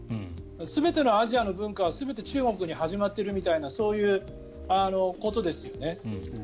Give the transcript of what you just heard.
全てのアジアの文化は全て中国に始まってるみたいなそういうことですよね。